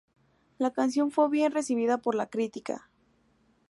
La canción fue bien recibida por la crítica.